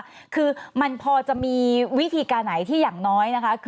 เรียกรู้สึกว่าตอนนี้กระทรวงการคลังคุยกันอยู่ที่นี้